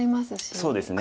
そうですね。